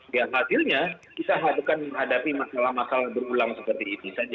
dan hasilnya kita harus menghadapi masalah masalah berulang seperti ini saja